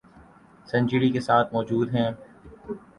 century کے ساتھ موجود ہیں